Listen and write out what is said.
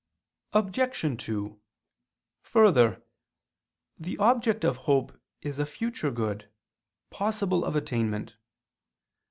Obj. 2: Further, the object of hope is a future good, possible of attainment.